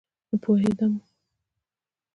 پوهیدم